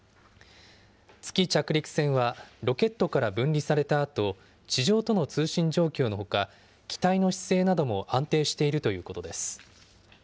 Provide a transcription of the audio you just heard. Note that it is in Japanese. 月着陸船は、ロケットから分離されたあと、地上との通信状況のほか、機体の姿勢なども安定しているということです。